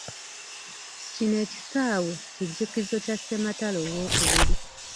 Kino ekisaawe, kijjukizo kya ssematalo owookubiri.